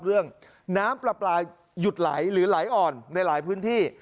เรื่องน้ำปลาปลาหยุดไหลหรือไหลอ่อนในหลายพื้นที่